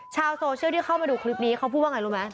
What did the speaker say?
ชาวโซเชียลที่เข้ามาดูคลิปนี้เขาพูดว่าไงรู้ไหม